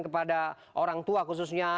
kepada orang tua khususnya